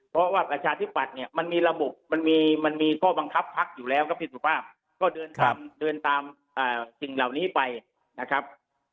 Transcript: เพราะว่าประชาธิบัตรมันมีระบบมันมีข้อบังคับภักดิ์อยู่แล้วก็ผิดสุภาพก็เดินตามสิ่งเหล่านี้ไปนะครับ